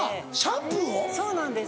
そうなんです。